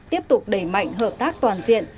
tiếp tục đẩy mạnh hợp tác toàn diện